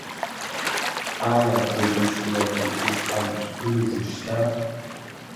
آيا په دې سيمه کې اوس هم ستونزې شته؟